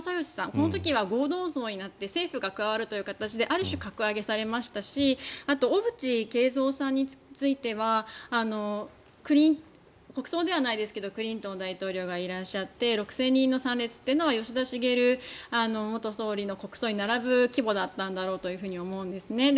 この時は合同葬になって政府が加わるという形である種格上げされましたしあとは小渕恵三さんについては国葬ではないですけどクリントン大統領がいらっしゃって６０００人の参列は吉田茂元総理の国葬に並ぶ規模だったんだろうと思うんです。